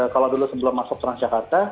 kalau dulu sebelum masuk transjakarta